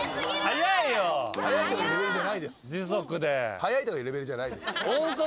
速いとかいうレベルじゃないです。